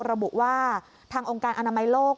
ระบุว่าทางองค์การอนามัยโลก